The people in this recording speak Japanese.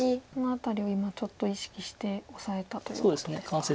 この辺りを今ちょっと意識してオサえたということですか。